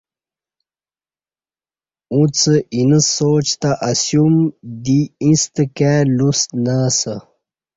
اݩڅ اینہ سوچ تہ اسیُوم دی ییݩستہ کائ لُوس نہ اسہ